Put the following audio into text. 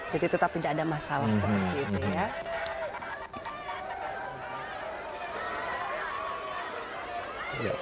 jadi tetap saja ada masalah seperti itu ya